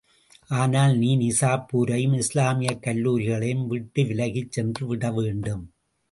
ஆனால், நீ நிசாப்பூரையும் இஸ்லாமியக் கல்லூரிகளையும் விட்டுவிலகிச் சென்று விடவேண்டும்.